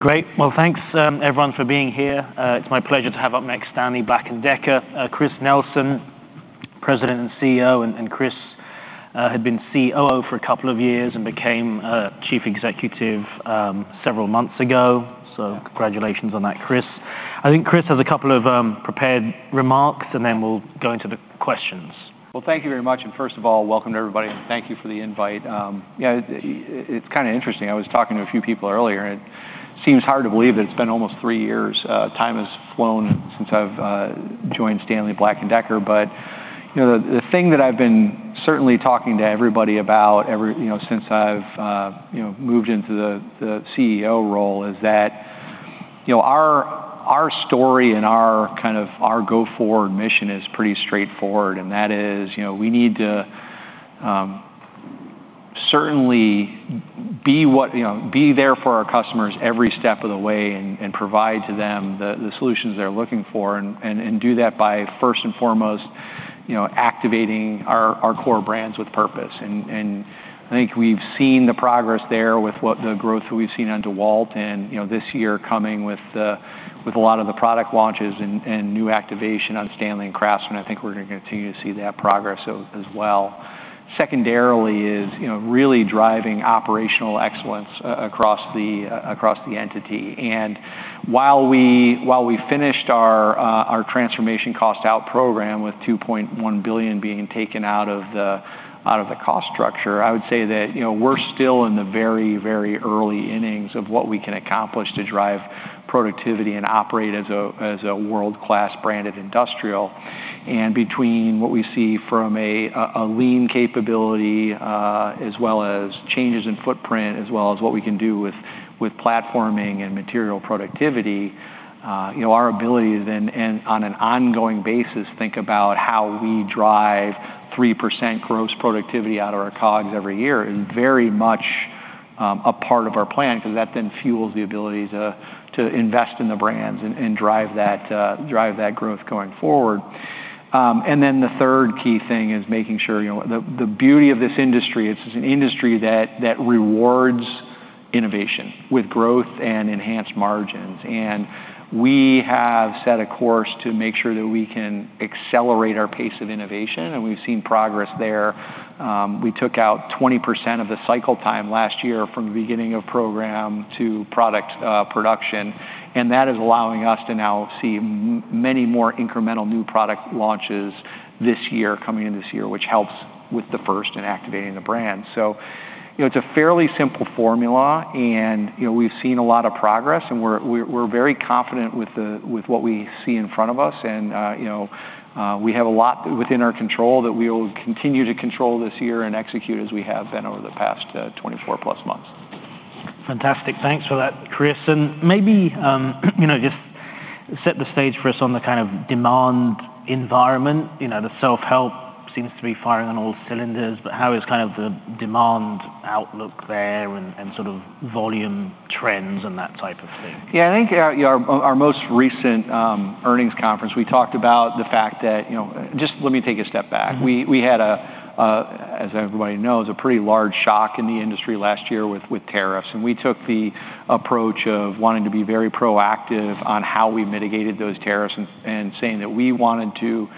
Great. Well, thanks, everyone, for being here. It's my pleasure to have up next, Stanley Black & Decker, Chris Nelson, President and CEO, and Chris had been COO for a couple of years and became Chief Executive several months ago. Congratulations on that, Chris. I think Chris has a couple of prepared remarks, and then we'll go into the questions. Well, thank you very much, and first of all, welcome to everybody, and thank you for the invite. Yeah, it's kinda interesting. I was talking to a few people earlier, and it seems hard to believe that it's been almost three years. Time has flown since I've joined Stanley Black & Decker. But, you know, the thing that I've been certainly talking to everybody about every, you know, since I've, you know, moved into the CEO role, is that, you know, our story and our kind of our go-forward mission is pretty straightforward, and that is, you know, we need to certainly be what... You know, be there for our customers every step of the way and provide to them the solutions they're looking for, and do that by first and foremost, you know, activating our core brands with purpose. And I think we've seen the progress there with the growth we've seen on DEWALT and, you know, this year coming with a lot of the product launches and new activation on STANLEY and CRAFTSMAN. I think we're gonna continue to see that progress as well. Secondarily is, you know, really driving operational excellence across the entity. And while we finished our transformation cost out program with $2.1 billion being taken out of the cost structure, I would say that, you know, we're still in the very, very early innings of what we can accomplish to drive productivity and operate as a world-class brand of industrial. And between what we see from a lean capability, as well as changes in footprint, as well as what we can do with platforming and material productivity, you know, our ability then, and on an ongoing basis, think about how we drive 3% gross productivity out of our COGS every year is very much a part of our plan because that then fuels the ability to invest in the brands and drive that growth going forward. And then the third key thing is making sure, you know, the beauty of this industry, it's an industry that rewards innovation with growth and enhanced margins, and we have set a course to make sure that we can accelerate our pace of innovation, and we've seen progress there. We took out 20% of the cycle time last year from the beginning of program to product, production, and that is allowing us to now see many more incremental new product launches this year, coming in this year, which helps with the first in activating the brand. You know, it's a fairly simple formula, and, you know, we've seen a lot of progress, and we're very confident with what we see in front of us. And, you know, we have a lot within our control that we will continue to control this year and execute as we have been over the past 24+ months. Fantastic. Thanks for that, Chris. And maybe, you know, just set the stage for us on the kind of demand environment. You know, the self-help seems to be firing on all cylinders, but how is kind of the demand outlook there and, and sort of volume trends and that type of thing? Yeah, I think, yeah, our most recent earnings conference, we talked about the fact that, you know... Just let me take a step back. Mm-hmm. We had, as everybody knows, a pretty large shock in the industry last year with tariffs, and we took the approach of wanting to be very proactive on how we mitigated those tariffs and saying that we wanted to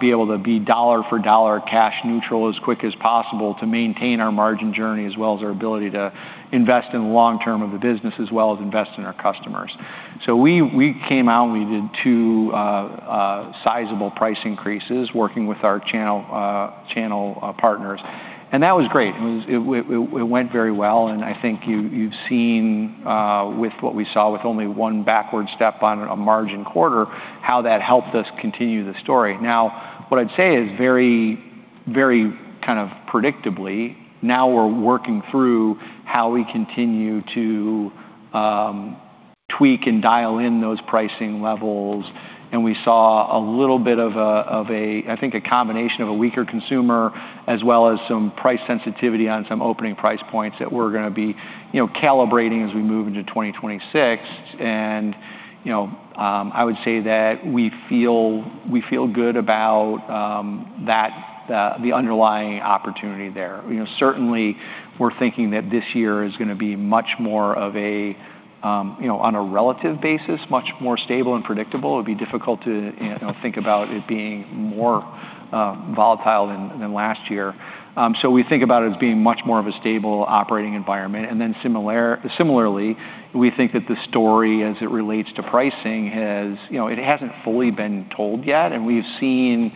be able to be dollar-for-dollar cash neutral as quick as possible to maintain our margin journey, as well as our ability to invest in the long term of the business, as well as invest in our customers. So we came out, and we did two sizable price increases, working with our channel partners. And that was great. It went very well, and I think you've seen with what we saw with only one backward step on a margin quarter, how that helped us continue the story. Now, what I'd say is very, very kind of predictably, now we're working through how we continue to, tweak and dial in those pricing levels, and we saw a little bit of a, I think, a combination of a weaker consumer, as well as some price sensitivity on some opening price points that we're gonna be, you know, calibrating as we move into 2026. And, you know, I would say that we feel good about, that, the underlying opportunity there. You know, certainly, we're thinking that this year is gonna be much more of a, you know, on a relative basis, much more stable and predictable. It'd be difficult to, you know, think about it being more, volatile than last year. So we think about it as being much more of a stable operating environment. And then similarly, we think that the story, as it relates to pricing, has... You know, it hasn't fully been told yet, and we've seen,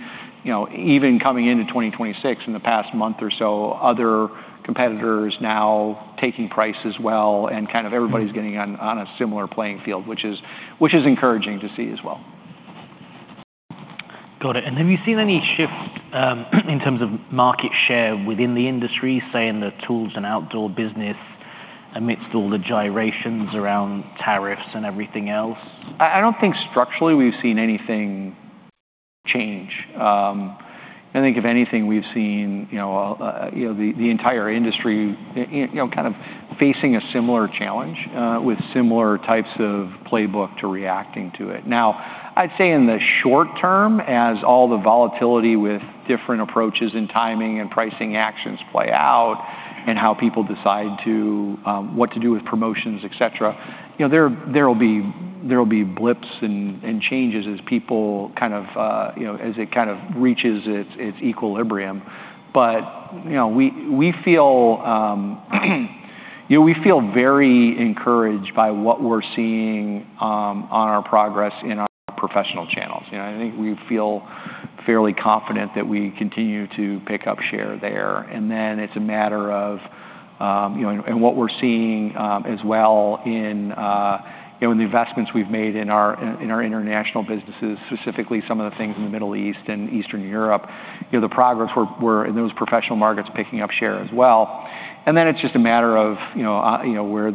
you know, even coming into 2026, in the past month or so, other competitors now taking price as well, and kind of everybody's getting on a similar playing field, which is encouraging to see as well. Got it. Have you seen any shifts in terms of market share within the industry, say, in the Tools & Outdoor business, amidst all the gyrations around tariffs and everything else? I don't think structurally we've seen anything change. I think if anything, we've seen you know you know the entire industry you know kind of facing a similar challenge with similar types of playbook to reacting to it. Now, I'd say in the short term, as all the volatility with different approaches and timing and pricing actions play out and how people decide to what to do with promotions, et cetera. You know, there will be blips and changes as people kind of you know as it kind of reaches its equilibrium. But you know we feel you know we feel very encouraged by what we're seeing on our progress in our professional channels. You know, I think we feel fairly confident that we continue to pick up share there. And then it's a matter of, you know, and what we're seeing, as well in, you know, in the investments we've made in our, in our international businesses, specifically some of the things in the Middle East and Eastern Europe, you know, the progress we're in those professional markets picking up share as well. And then it's just a matter of, you know, where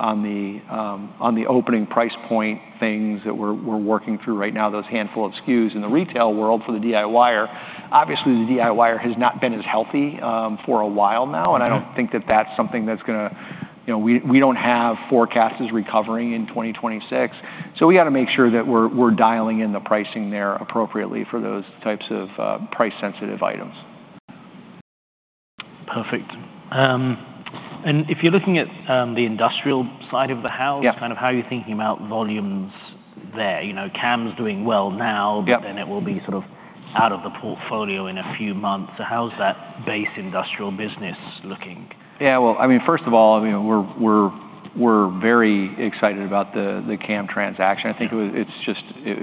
on the opening price point, things that we're working through right now, those handful of SKUs in the retail world for the DIYer. Obviously, the DIYer has not been as healthy, for a while now, and I don't think that that's something that's gonna... You know, we don't have forecasts as recovering in 2026, so we gotta make sure that we're dialing in the pricing there appropriately for those types of price-sensitive items. Perfect. And if you're looking at the industrial side of the house- Yeah... kind of how are you thinking about volumes there? You know, CAM's doing well now- Yep... but then it will be sort of out of the portfolio in a few months. So how's that base industrial business looking? Yeah, well, I mean, first of all, you know, we're very excited about the CAM transaction. Yeah. I think it was, it's just, it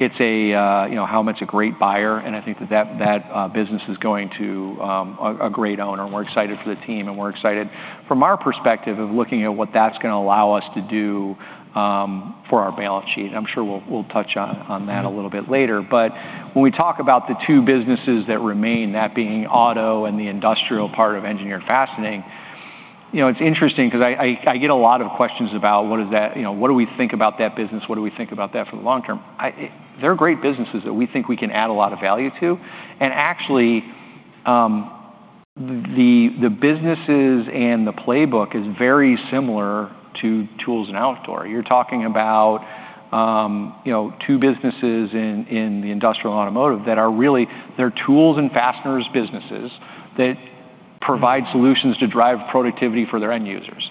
was, it's a, you know, how much a great buyer, and I think that, that, that business is going to a, a great owner, and we're excited for the team, and we're excited from our perspective of looking at what that's gonna allow us to do for our balance sheet, and I'm sure we'll, we'll touch on, on that a little bit later. When we talk about the two businesses that remain, that being auto and the industrial part of Engineered Fastening, you know, it's interesting 'cause I, I, I get a lot of questions about what is that, you know, what do we think about that business? What do we think about that for the long term? I- they're great businesses that we think we can add a lot of value to. Actually, the businesses and the playbook is very similar to Tools & Outdoor. You're talking about, you know, two businesses in the industrial automotive that are really—they're tools and fasteners businesses that provide solutions to drive productivity for their end users.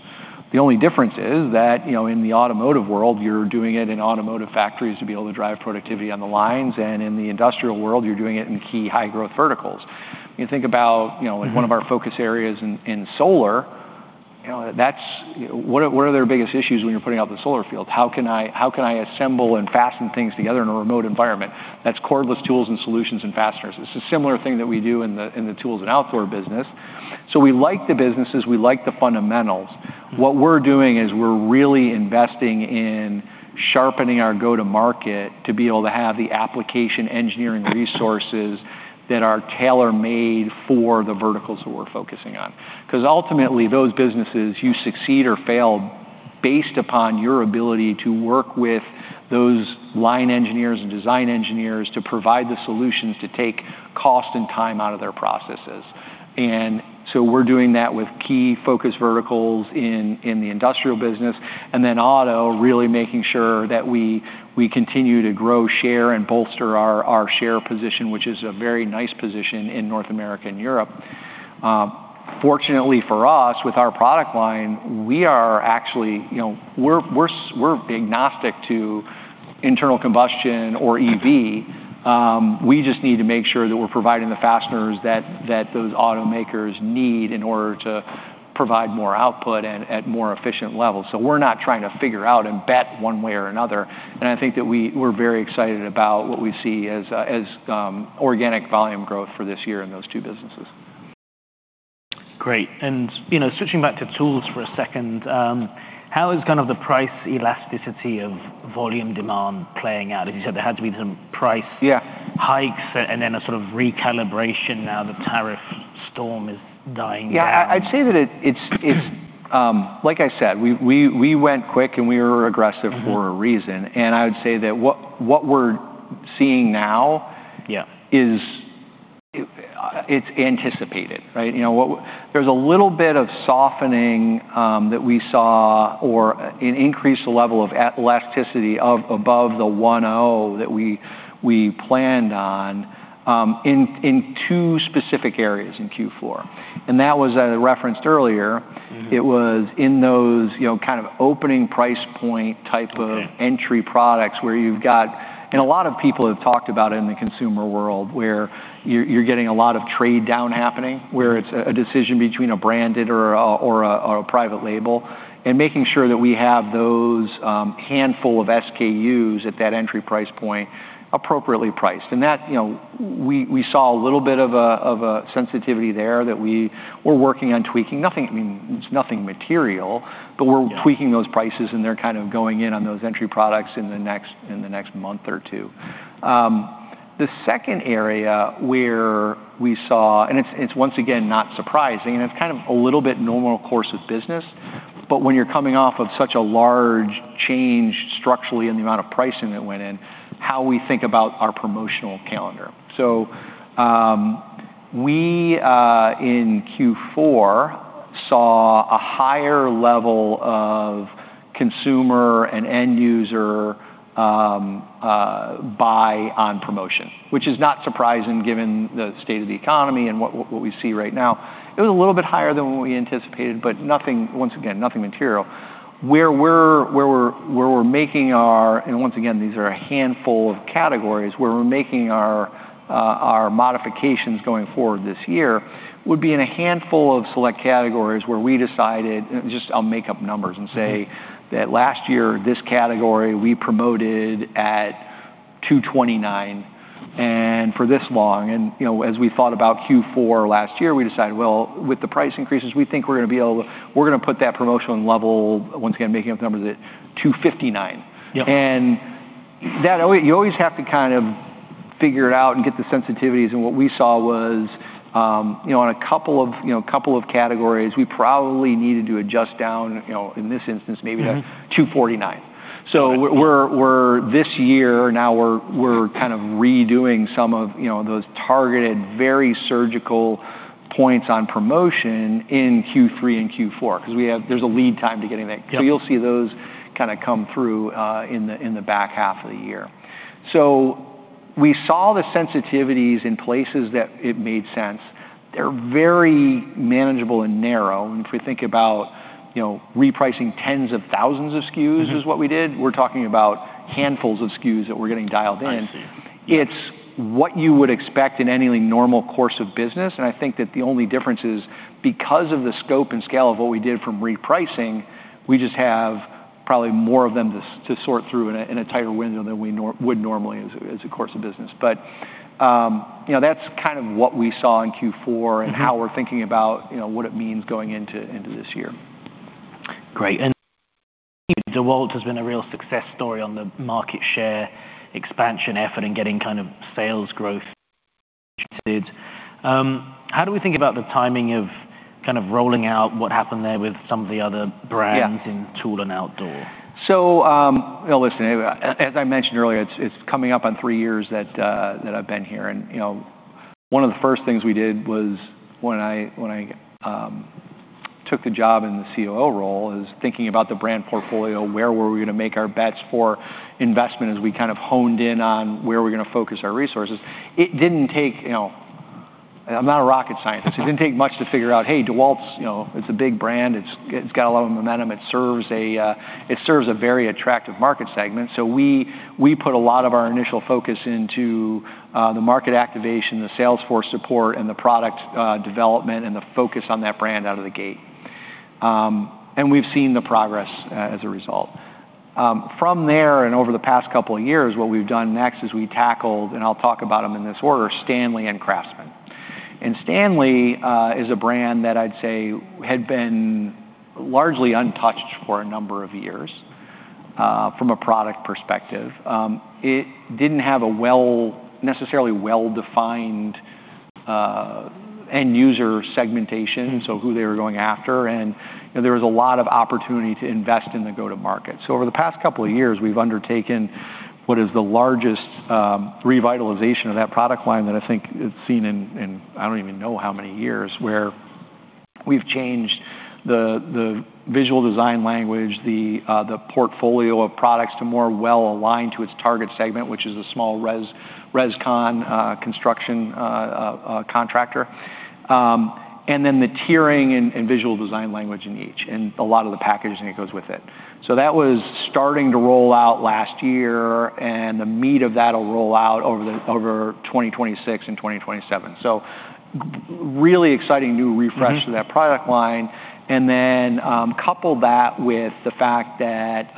The only difference is that, you know, in the automotive world, you're doing it in automotive factories to be able to drive productivity on the lines, and in the industrial world, you're doing it in key high-growth verticals. You think about, you know, in one of our focus areas in solar, you know, that's what are their biggest issues when you're putting out the solar field? How can I assemble and fasten things together in a remote environment? That's cordless tools and solutions and fasteners. It's a similar thing that we do in the Tools & Outdoor business. We like the businesses, we like the fundamentals. What we're doing is we're really investing in sharpening our go-to-market to be able to have the application engineering resources that are tailor-made for the verticals that we're focusing on. 'Cause ultimately, those businesses, you succeed or fail based upon your ability to work with those line engineers and design engineers to provide the solutions to take cost and time out of their processes. We're doing that with key focus verticals in the industrial business, and then auto, really making sure that we continue to grow, share, and bolster our share position, which is a very nice position in North America and Europe. Fortunately for us, with our product line, we are actually, you know, we're agnostic to internal combustion or EV. We just need to make sure that we're providing the fasteners that those automakers need in order to provide more output at more efficient levels. So we're not trying to figure out and bet one way or another, and I think that we're very excited about what we see as organic volume growth for this year in those two businesses. Great. You know, switching back to tools for a second, how is kind of the price elasticity of volume demand playing out? As you said, there had to be some price- Yeah... hikes and then a sort of recalibration now the tariff storm is dying down. Yeah, I'd say that it's, like I said, we went quick, and we were aggressive for a reason. Mm-hmm. I would say that what we're seeing now... Yeah... is, it's anticipated, right? You know, what there's a little bit of softening that we saw, or an increased level of elasticity above the 1.0 that we planned on, in two specific areas in Q4. And that was, as I referenced earlier- Mm-hmm... it was in those, you know, kind of opening price point type of- Okay... entry products where you've got... And a lot of people have talked about it in the consumer world, where you're getting a lot of trade down happening, where it's a decision between a branded or a private label, and making sure that we have those handful of SKUs at that entry price point appropriately priced. And that, you know, we saw a little bit of a sensitivity there that we were working on tweaking. Nothing, I mean, it's nothing material, but- Yeah... we're tweaking those prices, and they're kind of going in on those entry products in the next month or two. The second area where we saw, and it's once again not surprising, and it's kind of a little bit normal course of business, but when you're coming off of such a large change structurally in the amount of pricing that went in, how we think about our promotional calendar. So, in Q4 saw a higher level of consumer and end user buy on promotion, which is not surprising given the state of the economy and what we see right now. It was a little bit higher than what we anticipated, but nothing, once again, nothing material. Where we're making our—and once again, these are a handful of categories—where we're making our modifications going forward this year would be in a handful of select categories where we decided, just I'll make up numbers and say that last year, this category, we promoted at $229, and for this long, and, you know, as we thought about Q4 last year, we decided, well, with the price increases, we think we're gonna be able to—we're gonna put that promotional level, once again, making up the numbers, at $259. Yeah. And that you always have to kind of figure it out and get the sensitivities, and what we saw was, you know, on a couple of, you know, couple of categories, we probably needed to adjust down, you know, in this instance, maybe to- Mm-hmm $249. Got it. So we're this year, now we're kind of redoing some of, you know, those targeted, very surgical points on promotion in Q3 and Q4, 'cause we have, there's a lead time to getting that. Yeah. You'll see those kinda come through in the back half of the year. We saw the sensitivities in places that it made sense. They're very manageable and narrow, and if we think about, you know, repricing tens of thousands of SKUs— Mm-hmm... is what we did, we're talking about handfuls of SKUs that we're getting dialed in. I see. It's what you would expect in any normal course of business, and I think that the only difference is because of the scope and scale of what we did from repricing, we just have probably more of them to sort through in a tighter window than we would normally as a course of business. But you know, that's kind of what we saw in Q4- Mm-hmm... and how we're thinking about, you know, what it means going into this year. Great, and DEWALT has been a real success story on the market share expansion effort and getting kind of sales growth situated. How do we think about the timing of kind of rolling out what happened there with some of the other brands- Yeah - in tool and outdoor? Well, listen, as I mentioned earlier, it's coming up on three years that I've been here, and, you know, one of the first things we did was when I took the job in the COO role, is thinking about the brand portfolio, where were we gonna make our bets for investment as we kind of honed in on where we're gonna focus our resources. It didn't take... You know, I'm not a rocket scientist. It didn't take much to figure out, hey, DEWALT's, you know, it's a big brand, it's got a lot of momentum, it serves a, you know, it serves a very attractive market segment. So we put a lot of our initial focus into the market activation, the sales force support, and the product development, and the focus on that brand out of the gate. We've seen the progress as a result. From there, and over the past couple of years, what we've done next is we tackled, and I'll talk about them in this order, Stanley and CRAFTSMAN®. Stanley is a brand that I'd say had been largely untouched for a number of years from a product perspective. It didn't have a necessarily well-defined end user segmentation, so who they were going after, and, you know, there was a lot of opportunity to invest in the go-to-market. So over the past couple of years, we've undertaken what is the largest revitalization of that product line that I think it's seen in I don't even know how many years, where we've changed the visual design language, the portfolio of products to more well align to its target segment, which is a small Res/Com construction contractor. And then the tiering and visual design language in each, and a lot of the packaging that goes with it. So that was starting to roll out last year, and the meat of that will roll out over 2026 and 2027. So really exciting new refresh- Mm-hmm... to that product line. And then, couple that with the fact that,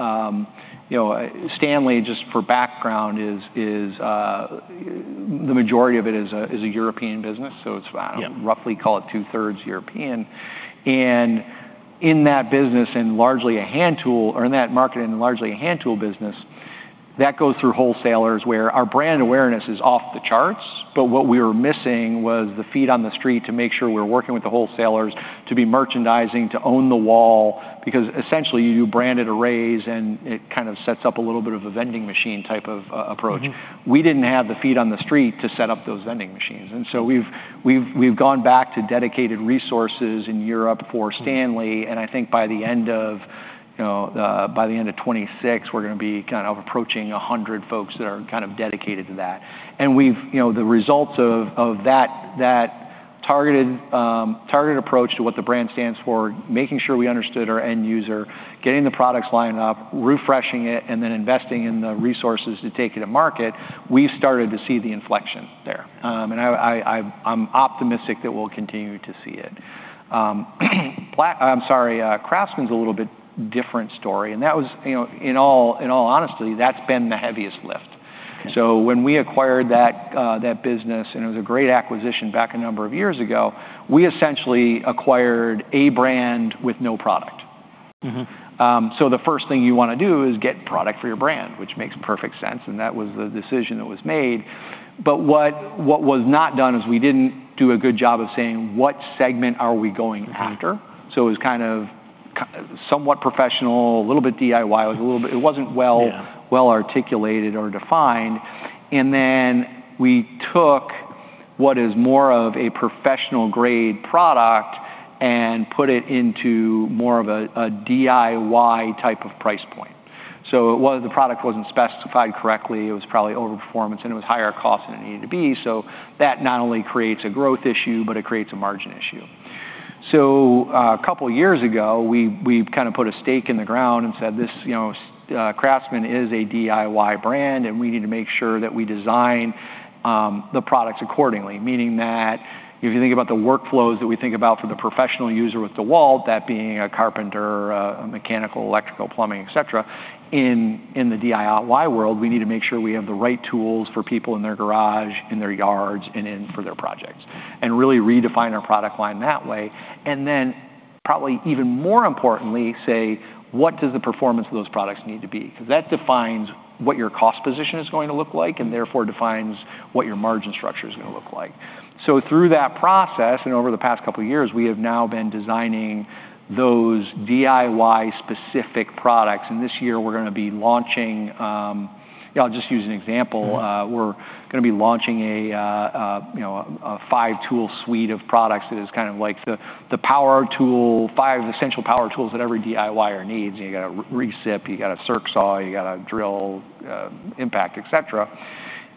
you know, Stanley, just for background, is the majority of it is a European business, so it's- Yeah... roughly call it two-thirds European. And in that business, and largely a hand tool, or in that market, and largely a hand tool business, that goes through wholesalers, where our brand awareness is off the charts, but what we were missing was the feet on the street to make sure we're working with the wholesalers, to be merchandising, to own the wall, because essentially, you branded arrays, and it kind of sets up a little bit of a vending machine type of approach. Mm-hmm. We didn't have the feet on the street to set up those vending machines, so we've gone back to dedicated resources in Europe for Stanley, and I think by the end of, you know, by the end of 2026, we're gonna be kind of approaching 100 folks that are kind of dedicated to that. The results of that targeted approach to what the brand stands for, making sure we understood our end user, getting the products lined up, refreshing it, and then investing in the resources to take it to market, we started to see the inflection there. I think I'm optimistic that we'll continue to see it. I'm sorry, Craftsman's a little bit different story, and that was, you know, in all honesty, that's been the heaviest lift. Okay. So when we acquired that, that business, and it was a great acquisition back a number of years ago, we essentially acquired a brand with no product. Mm-hmm. So the first thing you wanna do is get product for your brand, which makes perfect sense, and that was the decision that was made. But what was not done is we didn't do a good job of saying, what segment are we going after? Mm-hmm. So it was kind of somewhat professional, a little bit DIY, it was a little bit... It wasn't well- Yeah ...well articulated or defined. And then we took what is more of a professional-grade product and put it into more of a DIY type of price point. So it was, the product wasn't specified correctly, it was probably over-performance, and it was higher cost than it needed to be. So that not only creates a growth issue, but it creates a margin issue. So, a couple of years ago, we kind of put a stake in the ground and said, "This, you know, CRAFTSMAN is a DIY brand, and we need to make sure that we design the products accordingly." Meaning that if you think about the workflows that we think about for the professional user with DEWALT, that being a carpenter, a mechanical, electrical, plumbing, et cetera, in the DIY world, we need to make sure we have the right tools for people in their garage, in their yards, and in for their projects, and really redefine our product line that way. And then, probably even more importantly, say, "What does the performance of those products need to be?" Because that defines what your cost position is going to look like, and therefore defines what your margin structure is going to look like. So through that process, and over the past couple of years, we have now been designing those DIY-specific products, and this year we're going to be launching. I'll just use an example. We're going to be launching a, you know, a five-tool suite of products that is kind of like the, the power tool, five essential power tools that every DIYer needs. You know, you got a recip, you got a circ saw, you got a drill, impact, et cetera.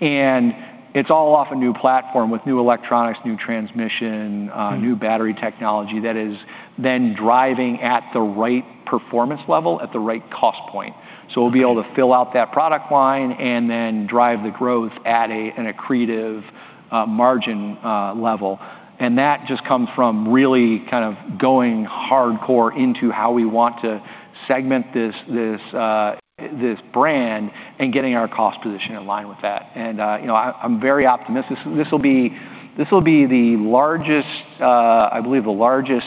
And it's all off a new platform with new electronics, new transmission- Mm. New battery technology that is then driving at the right performance level, at the right cost point. Okay. So we'll be able to fill out that product line and then drive the growth at an accretive margin level. And that just comes from really kind of going hardcore into how we want to segment this brand and getting our cost position in line with that. And, you know, I'm very optimistic. This will be the largest, I believe, the largest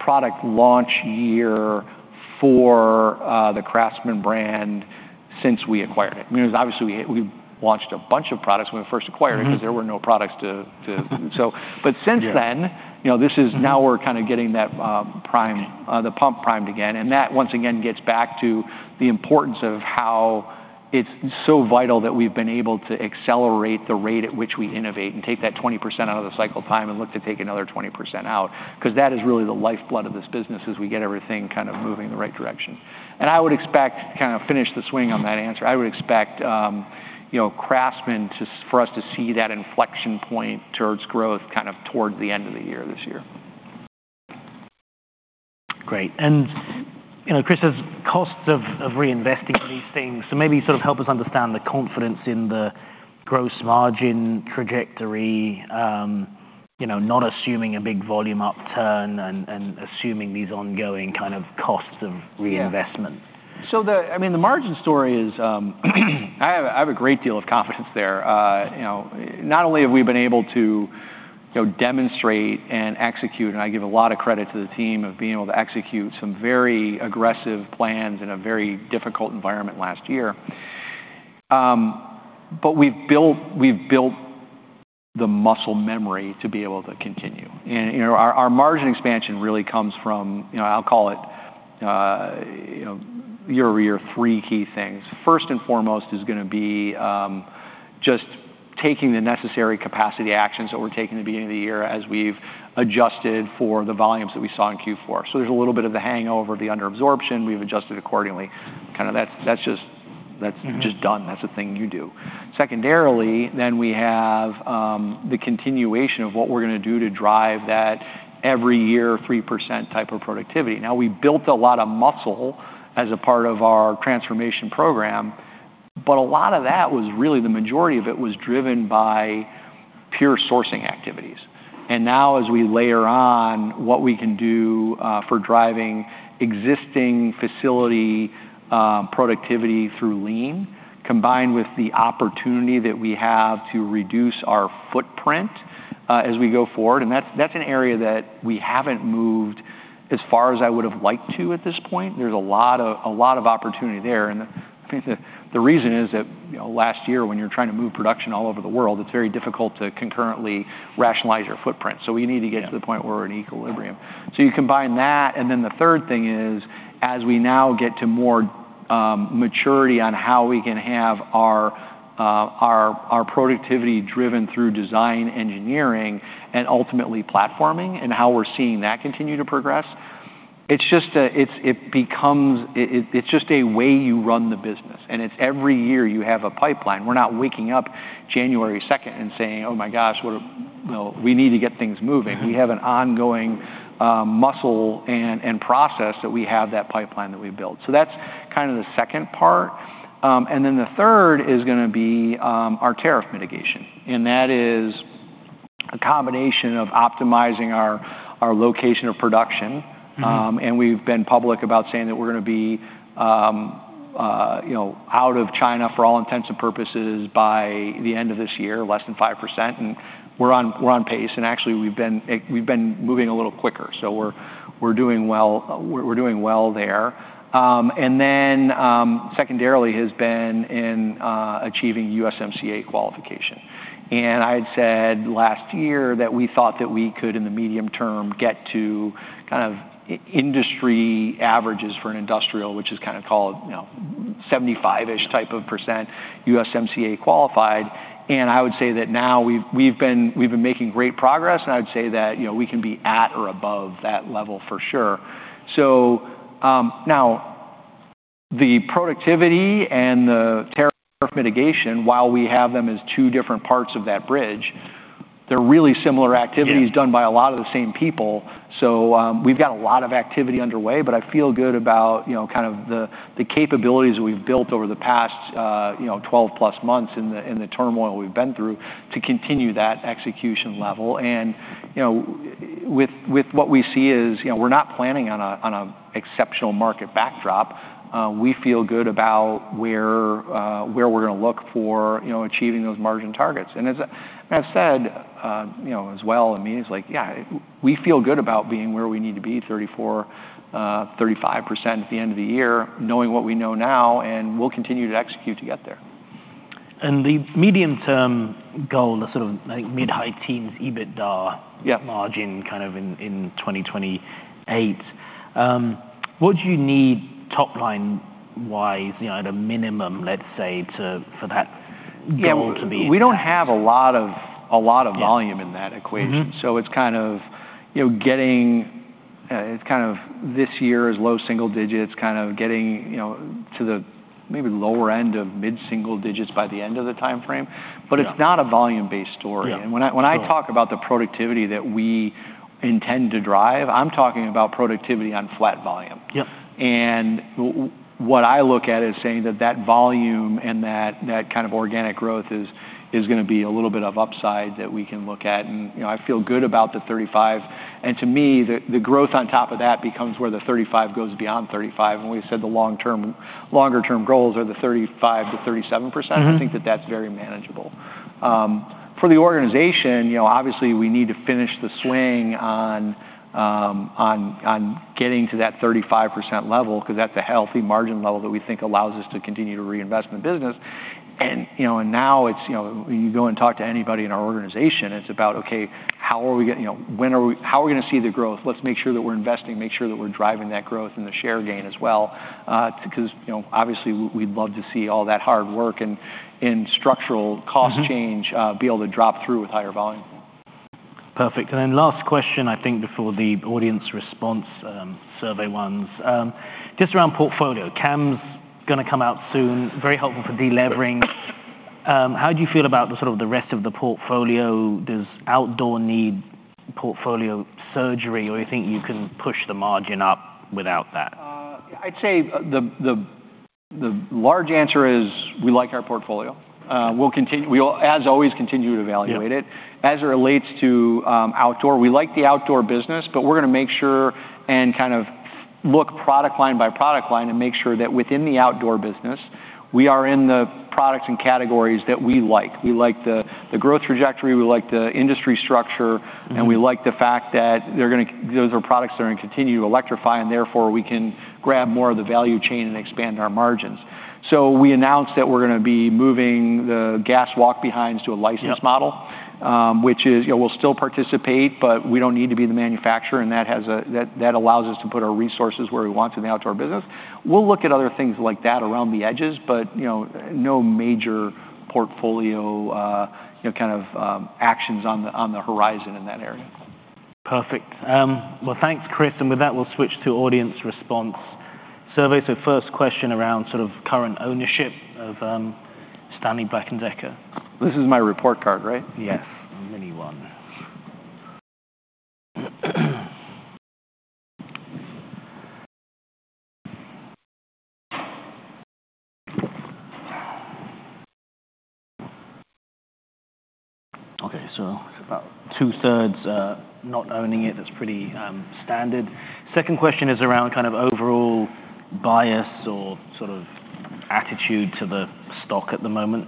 product launch year for the CRAFTSMAN brand since we acquired it. I mean, obviously, we launched a bunch of products when we first acquired it- Mm-hmm. because there were no products to... So Yeah. But since then, you know, this is- Mm-hmm. Now we're kind of getting that prime the pump primed again, and that, once again, gets back to the importance of how it's so vital that we've been able to accelerate the rate at which we innovate and take that 20% out of the cycle time and look to take another 20% out, because that is really the lifeblood of this business, as we get everything kind of moving in the right direction. And I would expect, to kind of finish the swing on that answer, I would expect, you know, CRAFTSMAN to-- for us to see that inflection point towards growth kind of towards the end of the year, this year. Great. And, you know, Chris, as costs of, of reinvesting in these things, so maybe sort of help us understand the confidence in the gross margin trajectory, you know, not assuming a big volume upturn and, and assuming these ongoing kind of costs of reinvestment. Yeah. So, I mean, the margin story is, I have, I have a great deal of confidence there. You know, not only have we been able to, you know, demonstrate and execute, and I give a lot of credit to the team of being able to execute some very aggressive plans in a very difficult environment last year, but we've built, we've built the muscle memory to be able to continue. And, you know, our, our margin expansion really comes from, you know, I'll call it, you know, year-over-year, three key things. First and foremost is going to be, just taking the necessary capacity actions that we're taking at the beginning of the year as we've adjusted for the volumes that we saw in Q4. So there's a little bit of the hangover, the under-absorption. We've adjusted accordingly. Kind of, that's just- Mm-hmm... done. That's a thing you do. Secondarily, then we have the continuation of what we're going to do to drive that every year, 3% type of productivity. Now, we built a lot of muscle as a part of our transformation program, but a lot of that was, really the majority of it, was driven by pure sourcing activities. And now as we layer on what we can do for driving existing facility productivity through lean, combined with the opportunity that we have to reduce our footprint as we go forward, and that's, that's an area that we haven't moved as far as I would have liked to at this point. There's a lot of, a lot of opportunity there. I think the reason is that, you know, last year, when you're trying to move production all over the world, it's very difficult to concurrently rationalize your footprint. Yeah. We need to get to the point where we're in equilibrium. Mm-hmm. So you combine that, and then the third thing is, as we now get to more maturity on how we can have our productivity driven through design, engineering, and ultimately platforming and how we're seeing that continue to progress, it's just it becomes... It, it's just a way you run the business, and it's every year you have a pipeline. We're not waking up January 2nd and saying, "Oh, my gosh, you know, we need to get things moving. Mm-hmm. We have an ongoing muscle and process that we have that pipeline that we've built. So that's kind of the second part. And then the third is going to be our tariff mitigation, and that is a combination of optimizing our location of production. Mm-hmm. And we've been public about saying that we're going to be, you know, out of China, for all intents and purposes, by the end of this year, less than 5%, and we're on, we're on pace, and actually we've been, we've been moving a little quicker. So we're, we're doing well, we're doing well there. And then, secondarily has been in, achieving USMCA qualification. And I had said last year that we thought that we could, in the medium term, get to kind of industry averages for an industrial, which is kind of called, you know, 75-ish% USMCA qualified. And I would say that now we've, we've been, we've been making great progress, and I would say that, you know, we can be at or above that level for sure. So, now the productivity and the tariff mitigation, while we have them as two different parts of that bridge, they're really similar activities- Yeah... done by a lot of the same people. So, we've got a lot of activity underway, but I feel good about, you know, kind of the capabilities we've built over the past, you know, 12+ months in the turmoil we've been through, to continue that execution level. And, you know, with what we see is, you know, we're not planning on a exceptional market backdrop. We feel good about where we're gonna look for, you know, achieving those margin targets. And as I've said, you know, as well, I mean, it's like, yeah, we feel good about being where we need to be, 34%-35% at the end of the year, knowing what we know now, and we'll continue to execute to get there. The medium-term goal, the sort of like mid-high teens EBITDA. Yeah... margin, kind of in 2028, what do you need top line-wise, you know, at a minimum, let's say, to, for that goal to be? Yeah, we don't have a lot of volume- Yeah... in that equation. Mm-hmm. So it's kind of, you know, getting, it's kind of this year is low single digits, kind of getting, you know, to the maybe lower end of mid-single digits by the end of the timeframe. Yeah. But it's not a volume-based story. Yeah. And when I- Sure... when I talk about the productivity that we intend to drive, I'm talking about productivity on flat volume. Yeah. What I look at is saying that that volume and that, that kind of organic growth is gonna be a little bit of upside that we can look at, and, you know, I feel good about the 35. To me, the growth on top of that becomes where the 35 goes beyond 35. And we've said the longer-term goals are the 35%-37%. Mm-hmm. I think that that's very manageable. For the organization, you know, obviously we need to finish the swing on getting to that 35% level, 'cause that's a healthy margin level that we think allows us to continue to reinvest in the business. And, you know, and now it's, you know, you go and talk to anybody in our organization, it's about: Okay, how are we gonna see the growth? Let's make sure that we're investing, make sure that we're driving that growth and the share gain as well, because, you know, obviously we'd love to see all that hard work and structural cost change- Mm-hmm... be able to drop through with higher volume. Perfect. And then last question, I think before the audience response, survey ones. Just around portfolio. CAM's gonna come out soon, very helpful for delevering. How do you feel about the sort of the rest of the portfolio? Does outdoor need portfolio surgery, or you think you can push the margin up without that? I'd say the, the large answer is, we like our portfolio. We'll continue—we will, as always, continue to evaluate it. Yeah. As it relates to outdoor, we like the outdoor business, but we're gonna make sure and kind of look product line by product line, and make sure that within the outdoor business, we are in the products and categories that we like. We like the growth trajectory, we like the industry structure- Mm-hmm... and we like the fact that they're gonna, those are products that are gonna continue to electrify, and therefore, we can grab more of the value chain and expand our margins. So we announced that we're gonna be moving the gas walk-behinds to a license model- Yeah... which is, you know, we'll still participate, but we don't need to be the manufacturer, and that allows us to put our resources where we want in the outdoor business. We'll look at other things like that around the edges, but, you know, no major portfolio, you know, kind of, actions on the horizon in that area. Perfect. Well, thanks, Chris. And with that, we'll switch to audience response survey. So first question around sort of current ownership of Stanley Black & Decker. This is my report card, right? Yes, a mini one. Okay, so about 2/3 not owning it. That's pretty standard. Second question is around kind of overall bias or sort of attitude to the stock at the moment.